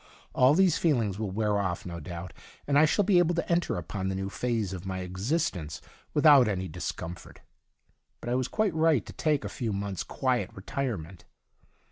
All these feelings will wear off, no doubt, and I shall be able to enter upon the new phase of my existence without any dis comfort. But I was quite right to take a few months' quiet retire ment.